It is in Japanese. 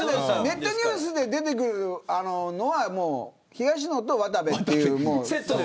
ネットニュースに出てくるのは東野と渡部という。